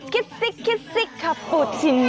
คิดสิกคิดสิกคาปูชิโน